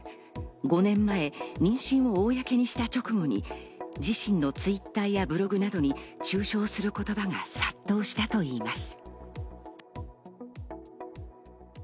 ５年前、妊娠を公にした直後に自身のＴｗｉｔｔｅｒやブログなどに中傷する言葉が殺到したといいます。